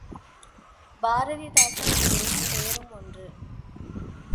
பாரதிதாசன் ஊரும் பேரும் ஒன்று.